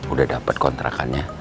udah dapet kontrakannya